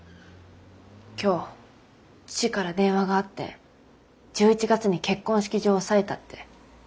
今日父から電話があって１１月に結婚式場を押さえたって。